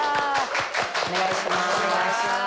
お願いします。